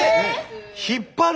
引っ張る？